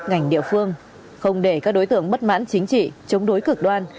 ngành địa phương không để các đối tượng bất mãn chính trị chống đối cực đoan